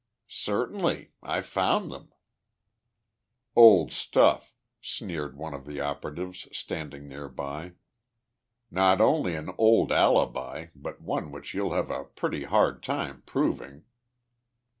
"Certainly. I found them." "Old stuff," sneered one of the operatives standing near by. "Not only an old alibi, but one which you'll have a pretty hard time proving."